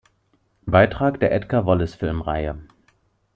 Beitrag der Edgar-Wallace-Filmreihe.